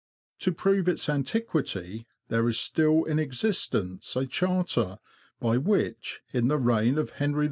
To prove its antiquity, there is still in existence a charter, by which, in the reign of Henry I.